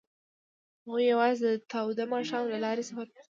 هغوی یوځای د تاوده ماښام له لارې سفر پیل کړ.